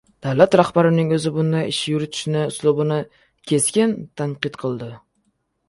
Davlat rahbarining oʻzi bunday ish yuritish uslubini keskin tanqid qildi.